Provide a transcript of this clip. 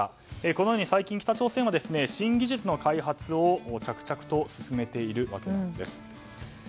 このように最近、北朝鮮は新技術の開発を着々と進めているわけです。